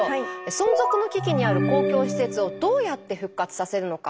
存続の危機にある公共施設をどうやって復活させるのか。